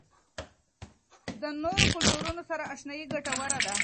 د نورو کلتورونو سره آشنايي ګټوره ده.